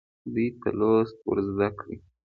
دوی ته لوست ورزده کړئ.